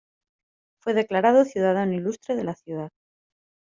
Fue declarado "Ciudadano Ilustre" de la ciudad.